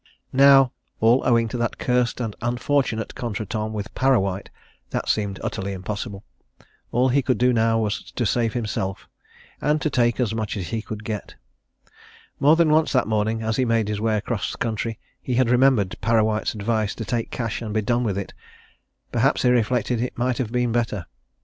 Now all owing to that cursed and unfortunate contretemps with Parrawhite, that seemed utterly impossible all he could do now was to save himself and to take as much as he could get. More than once that morning, as he made his way across country, he had remembered Parrawhite's advice to take cash and be done with it perhaps, he reflected, it might have been better.